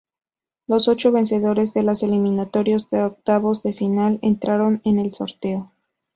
Los ocho vencedores de las eliminatorias de octavos de final entraron en el sorteo.